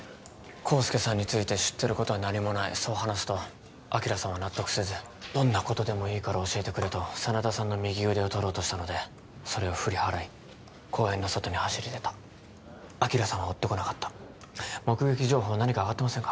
康介さんについて知ってることは何もないそう話すと昭さんは納得せずどんなことでもいいから教えてくれと真田さんの右腕を取ろうとしたのでそれを振り払い公園の外に走り出た昭さんは追ってこなかった目撃情報何かあがってませんか？